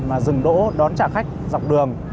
mà dừng đỗ đón trả khách dọc đường